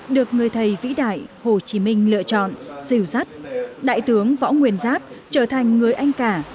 được người thầy vĩ đại hồ chí minh lựa chọn xỉu dắt đại tướng võ nguyên giáp trở thành người anh cả